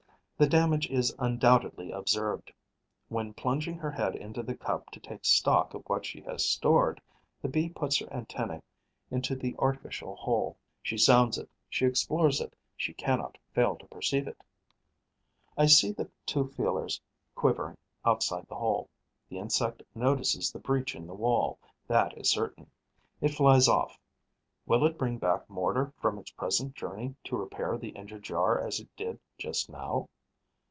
The damage is undoubtedly observed. When plunging her head into the cup to take stock of what she has stored, the Bee puts her antennae into the artificial hole: she sounds it, she explores it, she cannot fail to perceive it. I see the two feelers quivering outside the hole. The insect notices the breach in the wall: that is certain. It flies off. Will it bring back mortar from its present journey to repair the injured jar as it did just now?